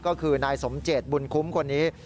ก็คือนายสมเจตบุญคุ้มคนนี้